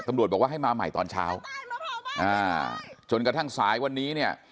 ตำรวจบอกว่าให้มาใหม่ตอนเช้าอ่าจนกระทั่งสายวันนี้เนี่ย